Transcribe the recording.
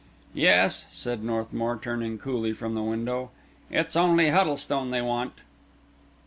"Yes," said Northmour, turning coolly from the window; "it's only Huddlestone they want."